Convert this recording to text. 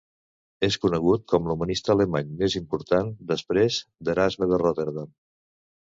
És conegut com l'humanista alemany més important després d'Erasme de Rotterdam.